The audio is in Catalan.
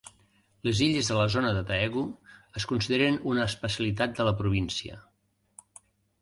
Les illes de la zona de Daegu es consideren una especialitat de la província.